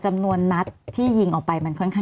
มีความรู้สึกว่ามีความรู้สึกว่า